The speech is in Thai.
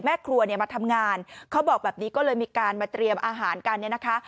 ครัวเนี่ยมาทำงานเขาบอกแบบนี้ก็เลยมีการมาเตรียมอาหารกันเนี่ยนะคะ